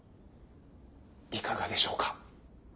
いかがでしょうか？